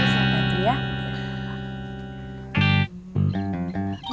saya bantu ya